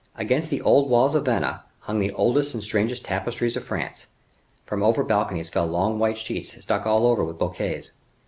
Against the old walls of Vannes, hung the oldest and the strangest tapestries of France. From over balconies fell long white sheets stuck all over with bouquets.